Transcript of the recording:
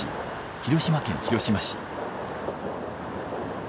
広島県広島市。